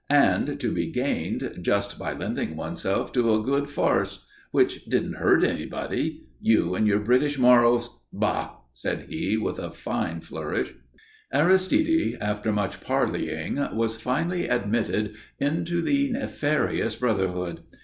And to be gained just by lending oneself to a good farce, which didn't hurt anybody. You and your British morals! Bah!" said he, with a fine flourish. Aristide, after much parleying, was finally admitted into the nefarious brotherhood.